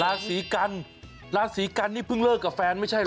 ราศีกันราศีกันนี่เพิ่งเลิกกับแฟนไม่ใช่เหรอ